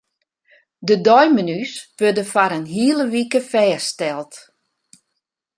De deimenu's wurde foar in hiele wike fêststeld.